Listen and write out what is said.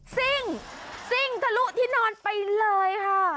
ซิ่งซิ่งทะลุที่นอนไปเลยค่ะ